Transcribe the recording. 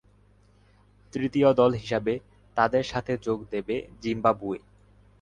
তৃতীয় দল হিসাবে তাদের সাথে যোগ দেবে জিম্বাবুয়ে।